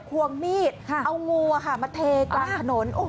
ควงมีดเอางูมาเทกลางถนน